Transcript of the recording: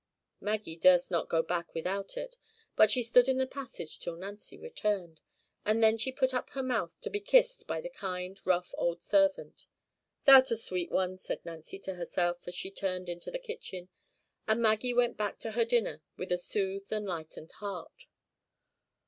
Maggie durst not go back without it, but she stood in the passage till Nancy returned; and then she put up her mouth to be kissed by the kind rough old servant. "Thou'rt a sweet one," said Nancy to herself, as she turned into the kitchen; and Maggie went back to her dinner with a soothed and lightened heart.